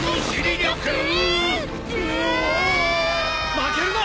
負けるな！